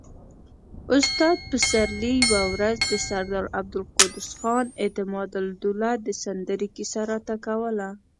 استاد پسرلي يوه ورځ د سردار عبدالقدوس خان اعتمادالدوله د سندرې کيسه راته کوله.